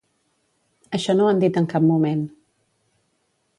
Això no ho han dit en cap moment.